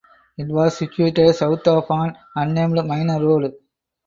It was situated south of an unnamed minor road.